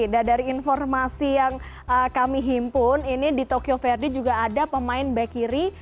nah dari informasi yang kami himpun ini di tokyo verde juga ada pemain back kiri